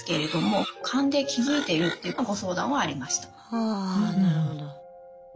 はなるほど。